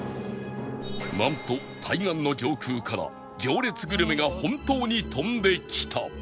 なんと対岸の上空から行列グルメが本当に飛んできた